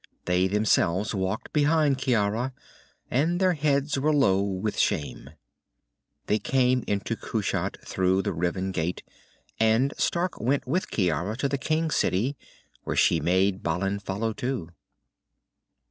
They themselves walked behind Ciara, and their heads were low with shame. They came into Kushat through the riven gate, and Stark went with Ciara to the King City, where she made Balin follow too.